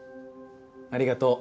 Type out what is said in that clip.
ありがとう。